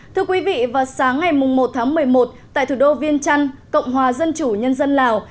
thưa quý vị vào sáng ngày một tháng một mươi một tại thủ đô viên trăn cộng hòa dân chủ nhân dân lào